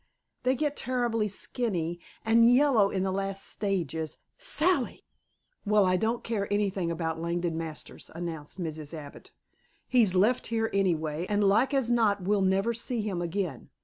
"They get terribly skinny and yellow in the last stages " "Sally!" "Well, I don't care anything about Langdon Masters," announced Mrs. Abbott. "He's left here anyway, and like as not we'll never see him again.